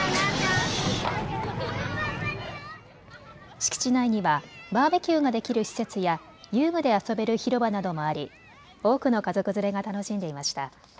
敷地内にはバーベキューができる施設や遊具で遊べる広場などもあり多くの家族連れが楽しんでいました。